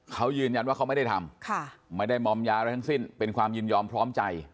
เขายืนยันว่าเขาไม่ได้ทำไม่ได้มอมยาอะไรทั้งสิ้นเป็นความยินยอมพร้อมใจ